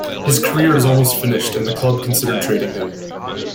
His career is almost finished and the club consider trading him.